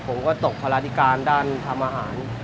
ผมก็ตกภาระธิการด้านทำอาหาร